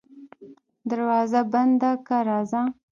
دروازه بنده که راځه.